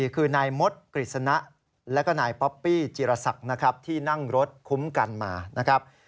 ๔คือนายมดกฤษณะและนายป๊อปปี้จิรษักที่นั่งรถคุ้มกันมานะครับ